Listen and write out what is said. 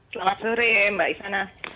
selamat sore mbak ishana